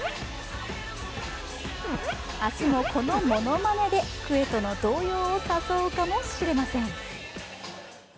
明日もこのものまねでクエトの動揺を誘うかもしれません。